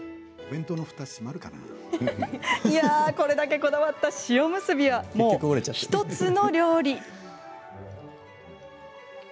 いやあ、これだけこだわった塩むすびは、もう１つの料理。